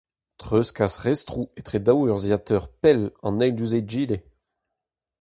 Treuzkas restroù etre daou urzhiataer pell an eil diouzh egile.